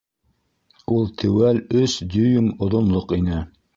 Ул теүәл өс дюйм оҙонлоҡ ине.